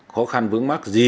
khó khăn vướng mắt gì